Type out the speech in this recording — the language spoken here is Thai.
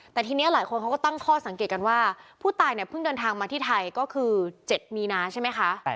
แต่ทีนี้หลายคนเขาก็ตั้งข้อสังเกตกันว่าผู้ตายเนี่ยเพิ่งเดินทางมาที่ไทยก็คือ๗มีนาใช่ไหมคะ